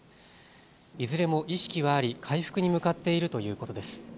いずれも意識はあり、回復に向かっているということです。